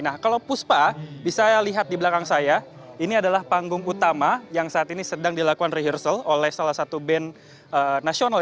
nah kalau puspa bisa lihat di belakang saya ini adalah panggung utama yang saat ini sedang dilakukan rehearsal oleh salah satu band nasional